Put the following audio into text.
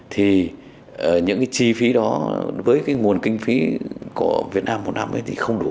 thì những chi phí đó với nguồn kinh phí của việt nam một năm thì không đủ